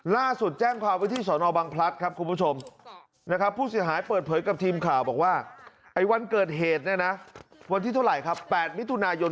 ล่าสุดแจ้งความวิธีสอนอบังพลักษณ์ครับคุณผู้ชม